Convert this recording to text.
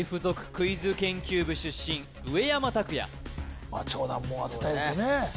クイズ研究部出身上山拓也超難問当てたいですよね